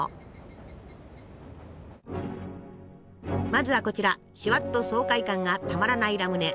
まずはこちらシュワッと爽快感がたまらないラムネ。